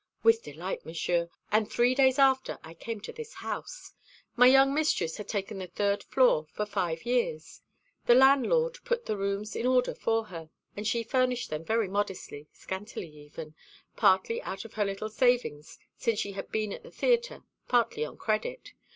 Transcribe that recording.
"With delight, Monsieur. And three days after, I came to this house. My young mistress had taken the third floor for five years. The landlord put the rooms in order for her; and she furnished them very modestly, scantily even, partly out of her little savings since she had been at the theatre, partly on credit.